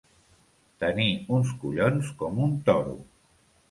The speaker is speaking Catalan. Tenir uns collons com un toro.